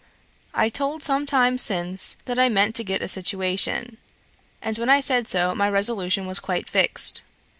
"I told some time since, that I meant to get a situation, and when I said so my resolution was quite fixed.